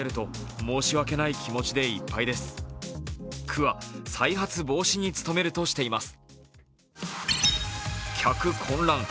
区は再発防止に努めるとしています。